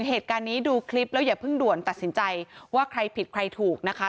เหตุการณ์นี้ดูคลิปแล้วอย่าเพิ่งด่วนตัดสินใจว่าใครผิดใครถูกนะคะ